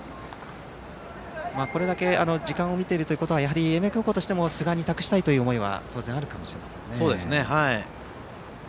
これだけ時間を見ているということはやはり英明高校としても寿賀に託したいという思いは当然、あるかもしれません。